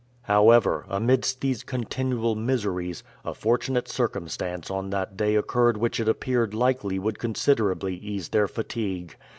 However, amidst these continual miseries, a fortunate circumstance on that day occurred which it appeared likely would considerably ease their fatigue.